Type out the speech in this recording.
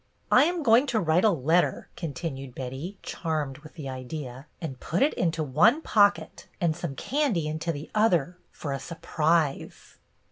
" I am going to write a letter," continued Betty, charmed with the idea, "and put it into one pocket, and some candy into the other, for a surprise."